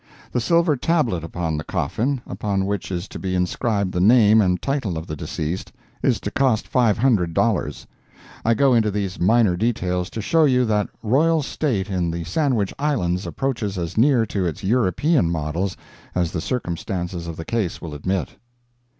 The silver tablet upon the coffin, upon which is to be inscribed the name and title of the deceased, is to cost $500. I go into these minor details to show you that royal state in the Sandwich Islands approaches as near to its European models as the circumstances of the case will admit.